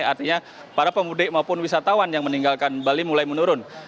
artinya para pemudik maupun wisatawan yang meninggalkan bali mulai menurun